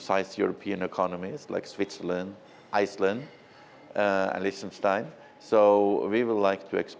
và chúng tôi sẽ kết thúc năm năm hợp tác với hà giang